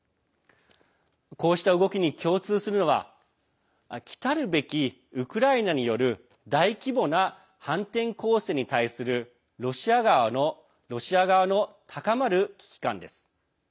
こうした動きに共通するのは来たるべきウクライナによる大規模な反転攻勢に対するロシア側の高まる危機感です。